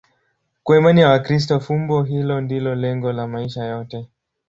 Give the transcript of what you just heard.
Kwa imani ya Wakristo, fumbo hilo ndilo lengo la maisha yote.